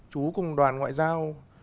chú cùng đoàn ngoại giao